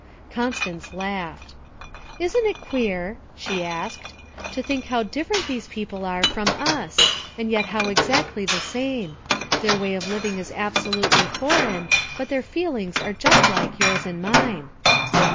Constance laughed. 'Isn't it queer,' she asked, 'to think how different these people are from us and yet how exactly the same. Their way of living is absolutely foreign, but their feelings are just like yours and mine.'